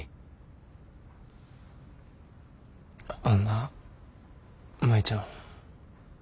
あんな舞ちゃん。